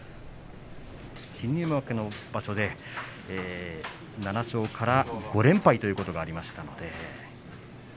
新入幕の場所で７勝から５連敗ということがありました。